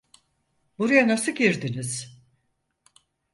Buraya nasıl girdiniz?